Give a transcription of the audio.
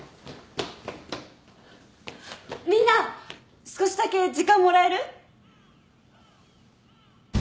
みんな少しだけ時間もらえる？